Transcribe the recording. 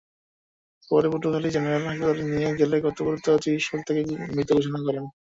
পরে পটুয়াখালী জেনারেল হাসপাতালে নিয়ে গেলে কর্তব্যরত চিকিৎসক তাঁকে মৃত ঘোষণা করেন।